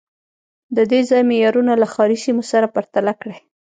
د دې ځای معیارونه له ښاري سیمو سره پرتله کړئ